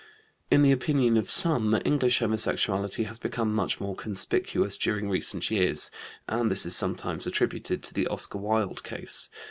In the opinion of some, English homosexuality has become much more conspicuous during recent years, and this is sometimes attributed to the Oscar Wilde case.